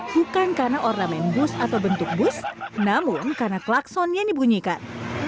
bukan karena ornamen bus atau bentuk bus namun karena klakson yang dibunyikan